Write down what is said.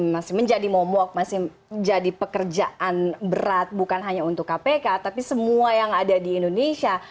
masih menjadi momok masih menjadi pekerjaan berat bukan hanya untuk kpk tapi semua yang ada di indonesia